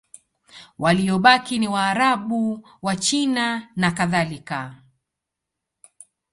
Waliobaki ni Waarabu, Wachina nakadhalika.